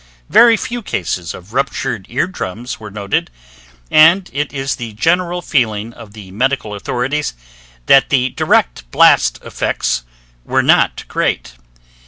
Very few cases of ruptured ear drums were noted, and it is the general feeling of the medical authorities that the direct blast effects were not great.